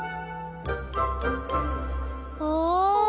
お。